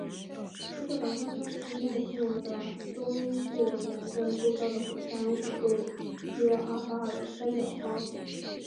非洲板块在其内部的东部沿着构造和火山活动区阿法尔三角和东非大裂谷发生裂谷作用。